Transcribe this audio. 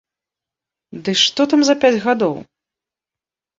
Ды што там за пяць гадоў!